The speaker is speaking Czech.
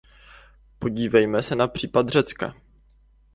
Podívejme se na případ Řecka.